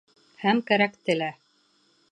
Һәм кәрәкте лә.